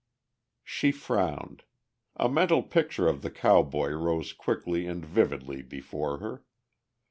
She frowned. A mental picture of the cowboy rose quickly and vividly before her.